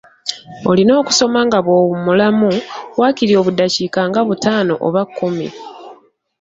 Olina okusoma nga bw'owummulamu, waakiri obudaakiika nga butaano oba kkumi.